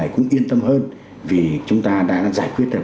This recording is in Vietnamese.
cũng yên tâm hơn vì chúng ta đã giải quyết được